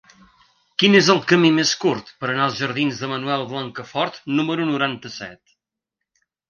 Quin és el camí més curt per anar als jardins de Manuel Blancafort número noranta-set?